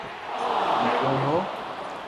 تمي ڪوڻ ھون